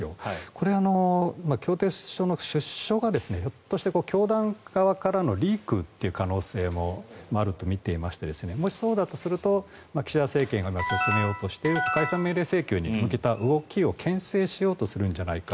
これ、協定書の出所がひょっとして教団側からのリークという可能性もあるとみていましてもしそうだとすると岸田政権が進めようとしている解散命令請求に向けた動きをけん制しようとするんじゃないか